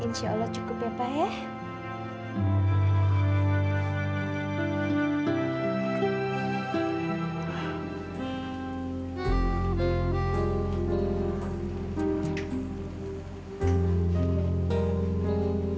insya allah cukup ya pak ya